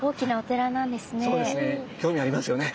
興味ありますよね。